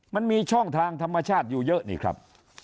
มันมีช่องทางธรรมชาติอยู่เยอะนี่ครับ